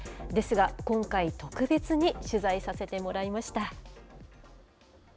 ですが、今回、特別に取材させてもらいました。